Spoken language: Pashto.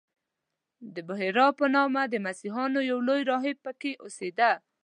د بحیرا په نامه د مسیحیانو یو لوی راهب په کې اوسېده.